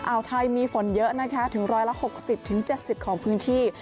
อ่าวไทยมีฝนเยอะนะคะถึง๑๖๐๗๐ของพื้นที่